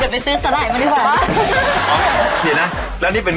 ไปซื้อสลายมาดีกว่า